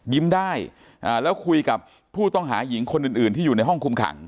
ยิ้มได้แล้วคุยกับผู้ต้องหาหญิงคนอื่นที่อยู่ในห้องคุมขัง